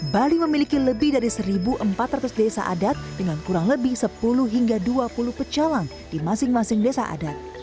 bali memiliki lebih dari satu empat ratus desa adat dengan kurang lebih sepuluh hingga dua puluh pecalang di masing masing desa adat